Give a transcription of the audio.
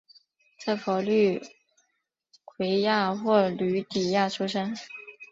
在佛律癸亚或吕底亚出生。